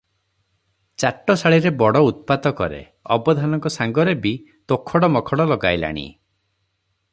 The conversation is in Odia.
ଚାଟଶାଳୀରେ ବଡ ଉତ୍ପାତ କରେ, ଅବଧାନଙ୍କ ସାଙ୍ଗରେ ବି ତୋଖଡ଼ ମୋଖଡ଼ ଲଗାଇଲାଣି ।